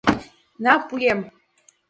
— На, пуэм...